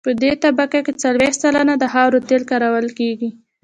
په دې طبقه کې څلویښت سلنه د خاورو تیل کارول کیږي